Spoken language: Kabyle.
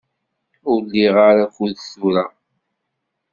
Ur liɣ ara akud tura.